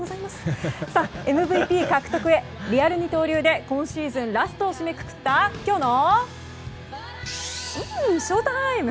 ＭＶＰ獲得へリアル二刀流で今シーズンラストを締めくくったきょうのＳＨＯＴＩＭＥ！